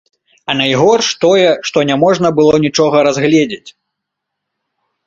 А найгорш тое, што няможна было нічога разгледзець.